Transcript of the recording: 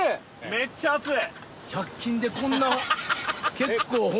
めっちゃ熱い。